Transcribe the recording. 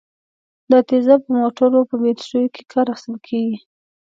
دا تیزاب په موټرو په بټریو کې کار اخیستل کیږي.